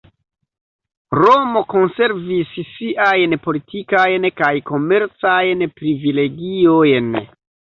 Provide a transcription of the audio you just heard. Romo konservis siajn politikajn kaj komercajn privilegiojn.